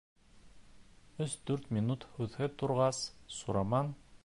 Өс-дүрт минут һүҙһеҙ торғас, Сураман: